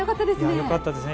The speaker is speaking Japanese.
よかったですね。